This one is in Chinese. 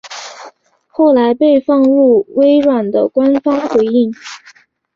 后来被放入微软的官方回应。